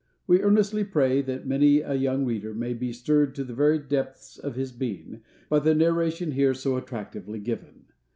We earnestly pray, that many a young reader may be stirred to the very depths of his being, by the narration here so attractively given.